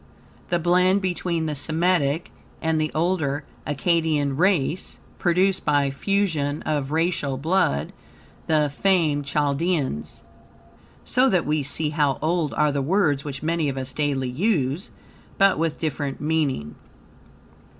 THE BLEND between the Semetic and the older Akkadian race, produced, by fusion of racial blood, the famed Chaldeans. So that we see how old are the words which many of us daily use, but with different meaning.